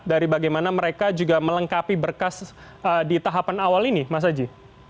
dari bagaimana mereka juga melengkapi berkas di tahapan awal ini mas aji